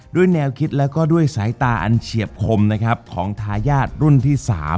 ด้วยแนวคิดแล้วก็ด้วยสายตาอันเฉียบขมของทายาทรุ่นที่๓